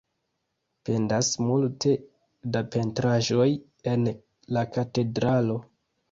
Pendas multe da pentraĵoj en la katedralo.